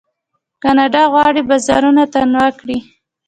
کاناډا غواړي بازارونه متنوع کړي.